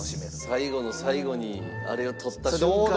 最後の最後にあれを取った瞬間。